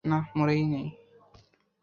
না, মরে নাই।